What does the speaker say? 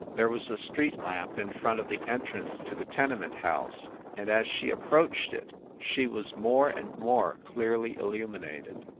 There was a street lamp in front of the entrance to the tenement house, and as she approached it she was more and more clearly illu minated.